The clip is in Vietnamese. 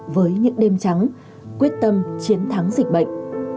với những đêm trắng quyết tâm chiến thắng dịch bệnh